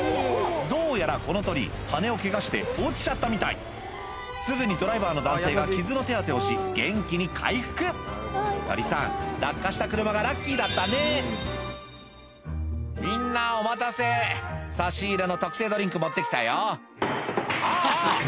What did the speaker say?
どうやらこの鳥羽をケガして落ちちゃったみたいすぐにドライバーの男性が傷の手当てをし元気に回復鳥さん落下した車がラッキーだったね「みんなお待たせ差し入れの特製ドリンク持って来たよ」あぁ！